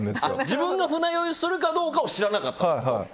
自分が船酔いするかどうかを知らなかった？